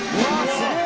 すごい！